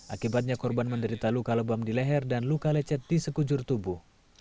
akibatnya korban menderita luka lebam di leher dan luka lecet di sekujur tubuh